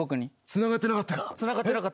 つながってなかった。